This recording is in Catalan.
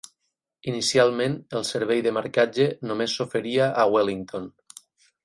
Inicialment, el servei de marcatge només s'oferia a Wellington.